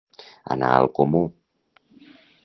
Anar al comú.